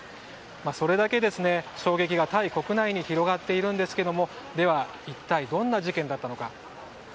それだけ衝撃がタイ国内に広がっているんですがでは一体どんな事件だったのか。